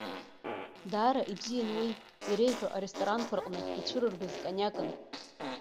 Даара ибзиан уи, иреиӷьу аресторанқәа рҟны ицәырыргоз кониакын.